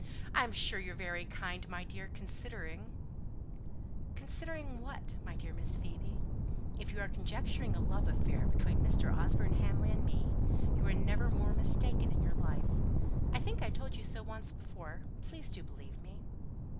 I am sure you're very kind, my dear, considering " "Considering what, my dear Miss Phoebe? If you are conjecturing a love affair between Mr. Osborne Hamley and me, you never were more mistaken in your life. I think I told you so once before. Please do believe me."